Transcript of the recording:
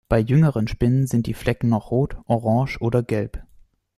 Bei jüngeren Spinnen sind die Flecken noch rot, orange oder gelb.